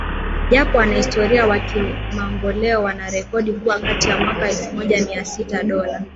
japo wanahistoria wa kimamboleo wanarekodi kuwa kati ya mwaka elfu moja mia sita Dola